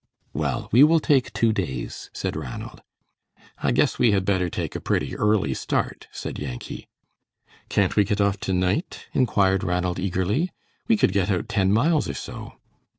"Well, we will take two days," said Ranald. "I guess we had better take a pretty early start," said Yankee. "Can't we get off to night?" inquired Ranald, eagerly. "We could get out ten miles or so."